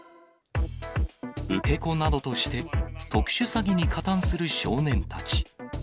受け子などとして特殊詐欺に加担する少年たち。